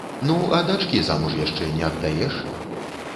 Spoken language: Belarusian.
Ну, а дачкі замуж яшчэ не аддаеш?